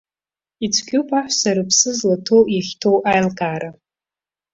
Ицәгьоуп аҳәса рыԥса злаҭоу, иахьҭоу аилкаара.